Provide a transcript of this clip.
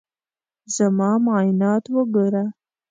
زما معاینات وګوره.